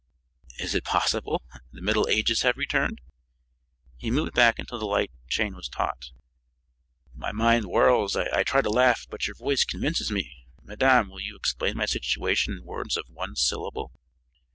"Is it possible? The Middle Ages have returned!" He moved back until the light chain was taut. "My mind whirls. I try to laugh, but your voice convinces me. Madame, will you explain my situation in words of one syllable?"